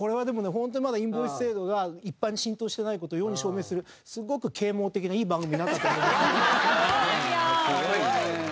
本当にまだインボイス制度が一般に浸透してない事を世に証明するすごく啓蒙的ないい番組になったと思いますね。